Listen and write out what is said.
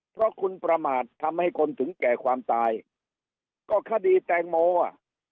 เพราะคุณประมาททำให้คนถึงแก่ความตายก็คดีแตงโมอ่ะ